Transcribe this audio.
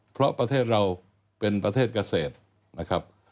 เพราะประเทศเราเป็นประเทศเกษตรนะครับ